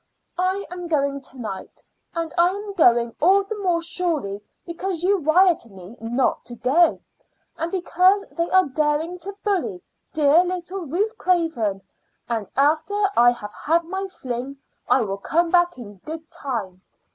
I am going to night, and I am going all the more surely because you wired to me not to go, and because they are daring to bully dear little Ruth Craven. And after I have had my fling I will come back in good time.